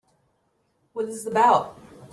What is it about?